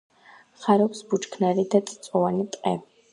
ხარობს ბუჩქნარი და წიწვოვანი ტყე.